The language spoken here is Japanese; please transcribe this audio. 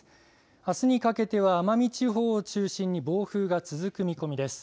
あすにかけては奄美地方を中心に暴風が続く見込みです。